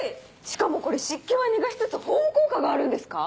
しかもこれ湿気は逃がしつつ保温効果があるんですか？